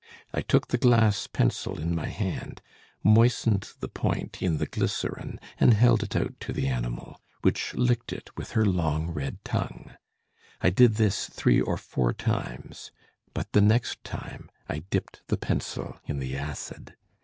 I took the glass pencil in my hand, moistened the point in the glycerin, and held it out to the animal, which licked it with her long red tongue. I did this three or four times, but the next time I dipped the pencil in the acid.